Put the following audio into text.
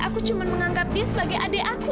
aku cuma menganggap dia sebagai adik aku